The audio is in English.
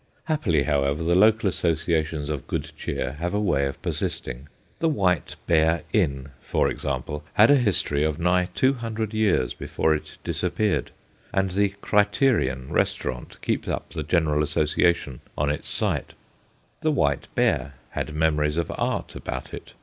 Happily, however, the local associa tions of good cheer have a way of persisting. ' The White Bear Inn/ for example, had a history of nigh two hundred years before it disappeared, and the ' Criterion ' restaurant keeps up the general association on its site. ' The White Bear ' had memories of art about it.